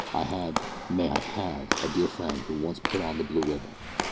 I had nay, I have a dear friend who once put on the Blue Ribbon."